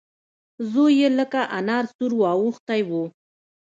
زوی يې لکه انار سور واوښتی و.